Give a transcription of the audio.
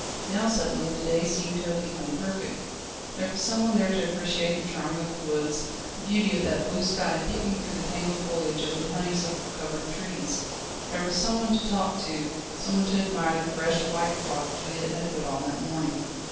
Now suddenly the day seemed to have become perfect. There was someone there to appreciate the charm of the woods, the beauty of that blue sky peeping though the tangled foliage of the honeysuckle covered trees. There was some one to talk to, someone to admire the fresh white frock Juliette had put on that morning.